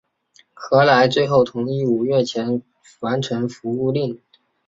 何来最后同意五月前完成服务令。